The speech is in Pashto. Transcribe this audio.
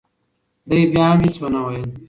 دې بیا هم هیڅ ونه ویل.